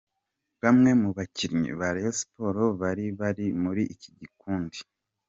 Bamwe mu bakinnyi ba Rayon Sports bari bari muri iki gikundi .